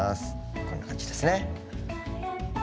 こんな感じですね。